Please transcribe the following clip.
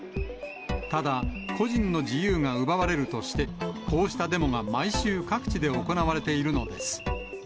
ただ、個人の自由が奪われるとして、こうしたデモが、毎週各地で行われているのです。